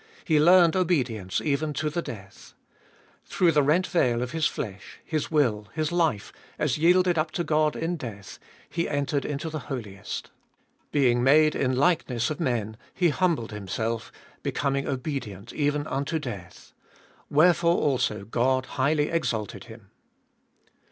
He learned obedience even to the death. Through the rent veil of His flesh, His will, His life, as yielded up to God in death, He entered into the Holiest. Being made in likeness of men, He humbled Himself, becoming obedient even unto death. Where fore also God highly exalted Him.